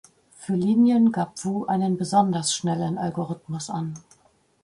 Für Linien gab Wu einen besonders schnellen Algorithmus an.